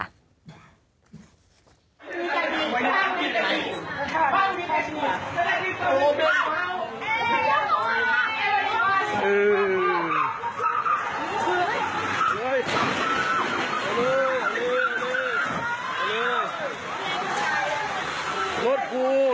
เฮ้ยฮัลโหลฮัลโหลฮัลโหล